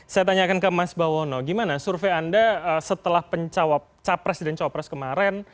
saya tanyakan ke mas bawono gimana survei anda setelah capres dan copres kemarin